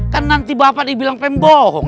kan nanti bapak dibilang pengen bohong